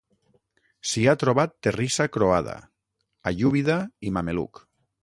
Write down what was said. S'hi ha trobat terrissa croada, aiúbida i mameluc.